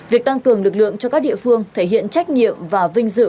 việc tăng cường lực lượng cho các địa phương thể hiện trách nhiệm và vinh dự